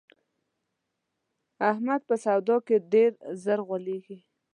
احمد په سودا کې ډېر زر غولېږي.